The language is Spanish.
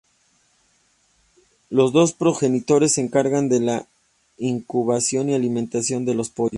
Los dos progenitores se encargan de la incubación y la alimentación de los pollos.